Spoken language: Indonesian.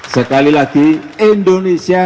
sekali lagi indonesia